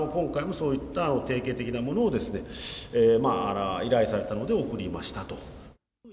今回もそういった定型的なものをですね、依頼されたので送りましたと。